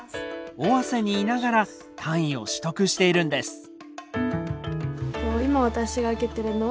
尾鷲にいながら単位を取得しているんです。